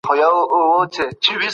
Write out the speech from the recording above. خو افغان زعفران هر څه لري.